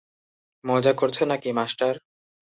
মজা করছো না-কি মাস্টার?